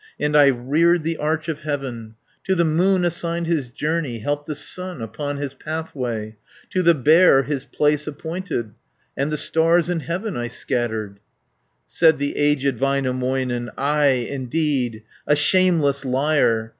And I reared the arch of heaven, 230 To the moon assigned his journey, Helped the sun upon his pathway, To the Bear his place appointed, And the stars in heaven I scattered," Said the aged Väinämöinen, "Ay, indeed, a shameless liar!